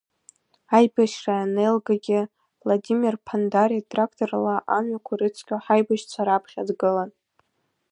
Аибашьра анеилгагьы Владимир Ԥандариа тракторла амҩақәа рыцқьо ҳаибашьцәа раԥхьа дгылан.